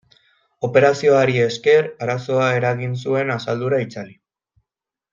Operazioari esker arazoa eragin zuen asaldura itzali.